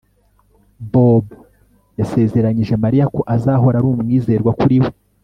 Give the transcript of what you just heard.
Bobo yasezeranyije Mariya ko azahora ari umwizerwa kuri we